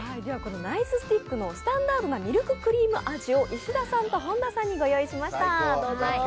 ナイススティックのスタンダードなミルククリーム味を石田さんと本田さんにご用意しました。